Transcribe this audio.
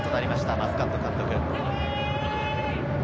マスカット監督。